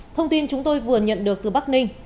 thông tin chúng tôi vừa nhận được từ bắc ninh